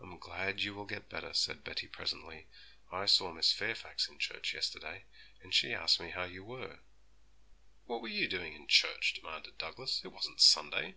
'I'm glad you will get better,' said Betty presently. 'I saw Miss Fairfax in church yesterday, and she asked me how you were.' 'What were you doing in church?' demanded Douglas. 'It wasn't Sunday.'